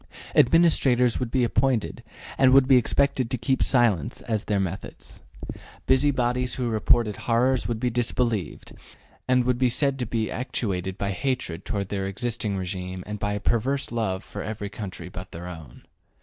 Administrators would be appointed and would be expected to keep silence as to their methods. Busybodies who reported horrors would be disbelieved, and would be said to be actuated by hatred toward the existing regime and by a perverse love for every country but their own.